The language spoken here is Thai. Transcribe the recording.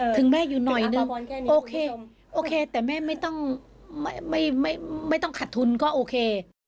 ถึงแม่อยู่หน่อยนึงโอเค